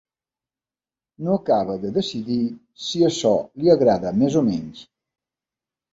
No acaba de decidir si això li agrada més o menys.